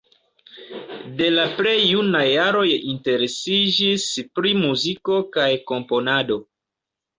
De la plej junaj jaroj interesiĝis pri muziko kaj komponado.